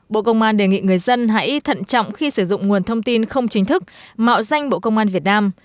bộ công an đề nghị người dân hãy thận trọng khi sử dụng nguồn thông tin không chính thức mạo danh bộ công an việt nam